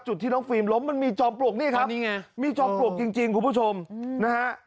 ที่น้องฟิล์มล้มมันมีจอมปลวกนี่ครับนี่ไงมีจอมปลวกจริงคุณผู้ชมนะฮะ